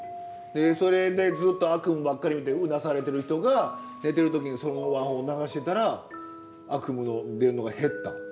それでずっと悪夢ばっかり見てうなされてる人が寝てるときにその和音を流してたら悪夢を見るのが減った？